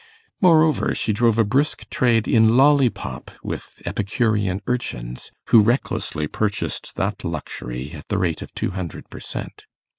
Moreover, she drove a brisk trade in lollipop with epicurean urchins, who recklessly purchased that luxury at the rate of two hundred per cent.